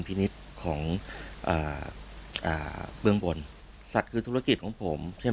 พินิษฐ์ของเอ่อเอ่อเบื้องบนสัตว์คือธุรกิจของผมใช่